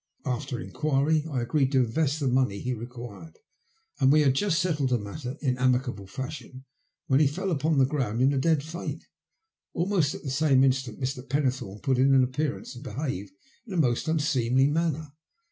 After enqoirj I agreed to invest the money he required, and we had just settled the matter in amicable fashion when he fell upon the ground in a dead faint. Almost at the same instant Mr. Penne thome put in an appearance and behaved in a most unseemly manner.